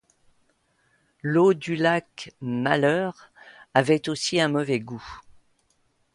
L'eau du lac Malheur avait aussi un mauvais gout.